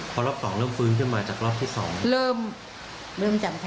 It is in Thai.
พอรอบสองเริ่มฟื้นขึ้นมาจากรอบที่สอง